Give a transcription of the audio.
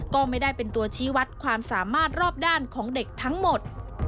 ก็ไม่ได้เป็นตัวชี้วัดความสามารถรอบด้านของเด็กทั้งหมด